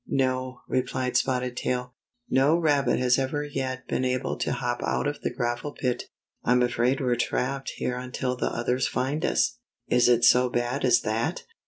"No," replied Spotted Tail. "No rabbit has ever yet been able to hop out of the gravel pit. I'm afraid we're trapped here until the others find us." "Is it so bad as that?"